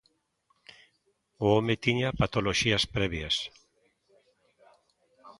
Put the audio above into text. O home tiña patoloxías previas.